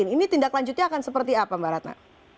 ini tindak lanjutnya akan seperti apa mbak ratna